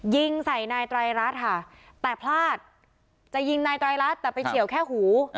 ยิงใส่นายไตรรัฐค่ะแต่พลาดจะยิงนายไตรรัฐแต่ไปเฉียวแค่หู